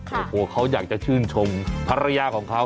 โอ้โหเขาอยากจะชื่นชมภรรยาของเขา